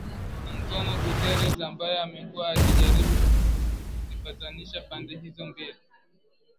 Antonio Guterres ambaye amekuwa akijaribu kuzipatanisha pande hizo mbili